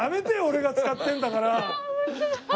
俺が使ってるんだから！